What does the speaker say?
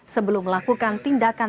sebelum melakukan tindakan